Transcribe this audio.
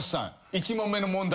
１問目の問題。